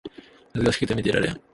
恥ずかしくて見てられん